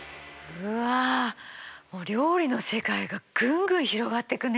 うわ料理の世界がぐんぐん広がっていくね。